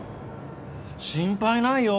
心配ないよ。